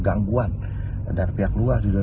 gangguan dari pihak luar di dua ribu dua puluh satu